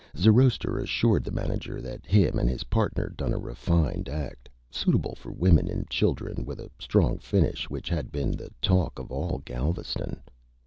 Zoroaster assured the Manager that Him and his Partner done a Refined Act, suitable for Women and Children, with a strong Finish, which had been the Talk of all Galveston.